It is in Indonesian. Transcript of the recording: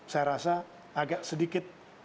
saya rasa agak sedikit